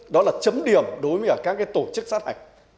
đó là chấm điểm đối với các tổ chức sát hạch